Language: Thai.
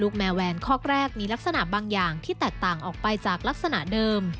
แมวแวนคอกแรกมีลักษณะบางอย่างที่แตกต่างออกไปจากลักษณะเดิม